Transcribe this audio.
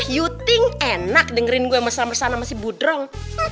you think enak dengerin gue bersama sama sama si budrang